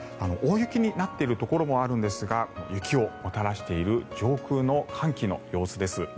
大雪になっているところもあるんですが雪をもたらしている上空の寒気のようです。